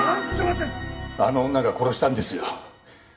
あの女が殺したんですよ。